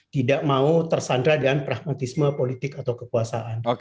tidak mau tersandra dengan pragmatisme politik atau kekuasaan